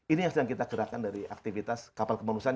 ini yang sedang kita gerakan dari aktivitas kapal kemanusiaan